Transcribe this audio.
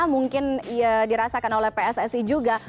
mungkin dirasakan oleh pssi juga